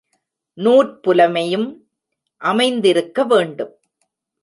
நூற் புலமையும் அமைந்திருக்க வேண்டும்.